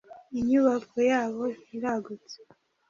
inyubako yabo iragutse.